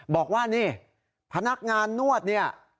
บอกว่านี่พนักงานนวดเนี่ย